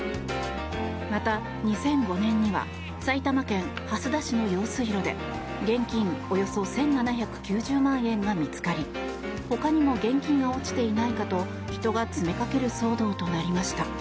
また、２００５年には埼玉県蓮田市の用水路で現金およそ１７９０万円が見つかりほかにも現金が落ちていないかと人が詰めかける騒動となりました。